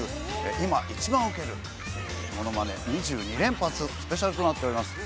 今一番ウケるものまね２２連発スペシャルとなっております。